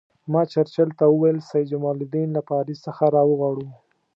ما چرچل ته وویل سید جمال الدین له پاریس څخه را وغواړو.